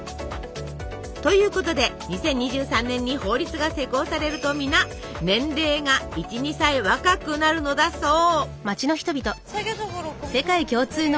ということで２０２３年に法律が施行されると皆年齢が１２歳若くなるのだそう。